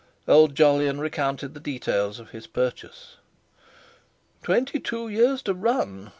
Old Jolyon recounted the details of his purchase. "Twenty two years to run?"